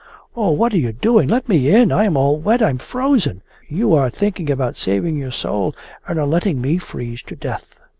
'Oh, what are you doing? Let me in! I am all wet. I am frozen! You are thinking about saving your soul and are letting me freeze to death...